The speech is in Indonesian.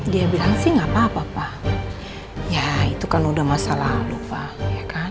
dia bilang sih gapapa pa ya itu kan udah masa lalu pa ya kan